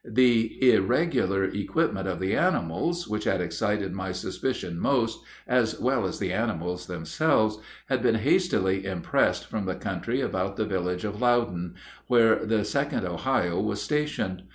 The irregular equipment of the animals, which had excited my suspicion most, as well as the animals themselves, had been hastily impressed from the country about the village of Loudon, where the 2d Ohio was stationed.